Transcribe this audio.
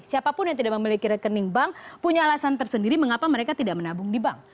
siapapun yang tidak memiliki rekening bank punya alasan tersendiri mengapa mereka tidak menabung di bank